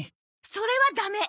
それはダメ！